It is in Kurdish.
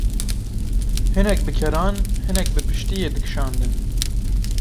hinek bi keran, hinek bi piştiyê dikşandin.